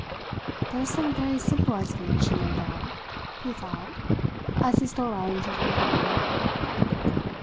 "There is some very simple explanation, no doubt," he thought, as he stole out into the living room.